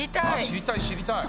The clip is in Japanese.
知りたい知りたい！